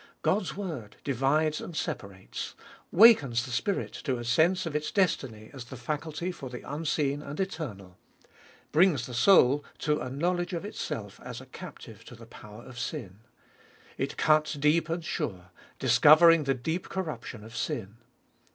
God's word divides and separates ; wakens the spirit to a sense of its destiny as the faculty for the unseen and eternal; brings the soul to a knowledge of itself as a captive to the power of sin. It cuts deep and sure, discovering the deep corruption of sin.